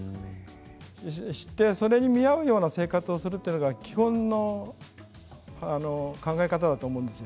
知ってそれに見合う生活をするというのが基本の考え方だと思うんですよ。